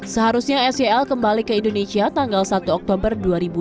seharusnya sel kembali ke indonesia tanggal satu oktober dua ribu dua puluh